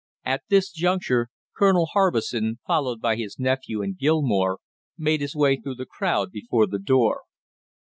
At this juncture Colonel Harbison, followed by his nephew and Gilmore, made his way through the crowd before the door.